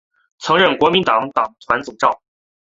曾任国民党党团总召。